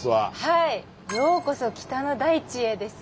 「ようこそ北の大地へ」ですよ。